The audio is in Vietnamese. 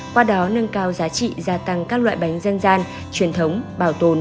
qua đó nâng cao giá trị gia tăng các loại bánh dân gian truyền thống bảo tồn